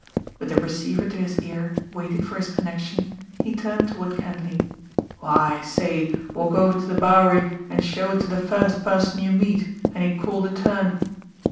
With the receiver to his ear, waiting for his connection, he turned toward Kenleigh. "Why, say, walk over to the Bowery and show it to the first person you meet, and he'd call the turn.